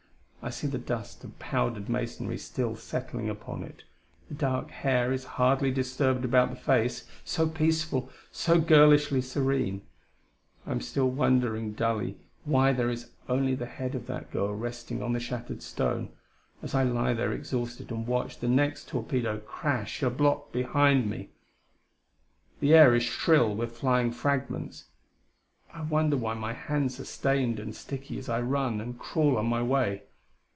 I see the dust of powdered masonry still settling upon it: the dark hair is hardly disturbed about the face, so peaceful, so girlishly serene: I am still wondering dully why there is only the head of that girl resting on the shattered stone, as I lie there exhausted and watch the next torpedo crash a block behind me.... The air is shrill with flying fragments. I wonder why my hands are stained and sticky as I run and crawl on my way.